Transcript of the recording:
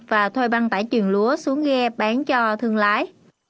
và thuê băng tải chuồng lúa xuống ghe bán cho thương lái